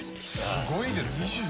すごいですよ。